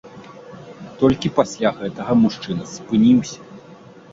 Толькі пасля гэтага мужчына спыніўся.